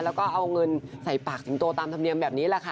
แล้วก็เอาเงินใส่ปากสิงโตตามธรรมเนียมแบบนี้แหละค่ะ